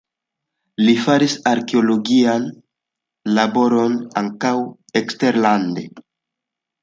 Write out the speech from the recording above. Li faris arkeologiajn laborojn ankaŭ eksterlande.